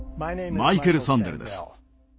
マイケル・サンデルです。